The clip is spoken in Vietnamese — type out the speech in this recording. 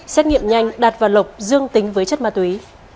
xét nghiệm nhanh đặt vào lộc dương tính với chất ma túy